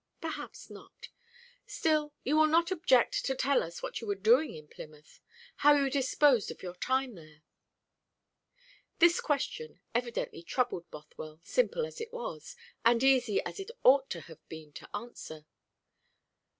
"Perhaps not. Still, you will not object to tell us what you were doing in Plymouth how you disposed of your time there." This question evidently troubled Bothwell, simple as it was, and easy as it ought to have been to answer.